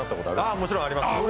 もちろんあります。